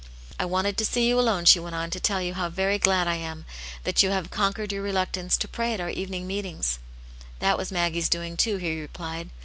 " I wanted to see you alone," she went on, " to tell you how very glad I am that you have conquered your reluctance to pray at our evening meetings." " That was Maggie's doing, too," he replied.